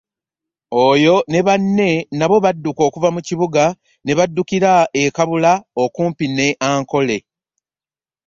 Oyo ne banne nabo badduka okuva ku kibuga ne baddukira e Kabula okumpi ne Ankole.